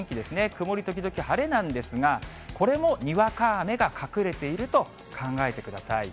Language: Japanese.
曇り時々晴れなんですが、これもにわか雨が隠れていると考えてください。